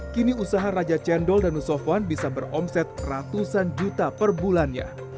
kini usaha raja cendol dan nusofwan bisa beromset ratusan juta per bulannya